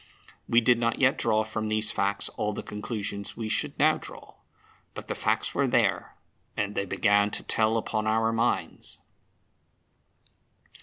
We did not yet draw from these facts all the conclusions we should now draw. But the facts were there, and they began to tell upon our minds.